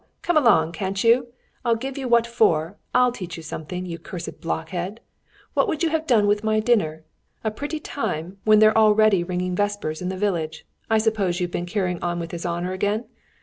Come along, can't you! I'll give you what for! I'll teach you something, you cursed blockhead! What have you done with my dinner? A pretty time when they're already ringing vespers in the village. I suppose you've been carrying on with his honour again?